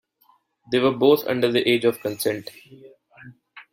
They were both under the age of consent.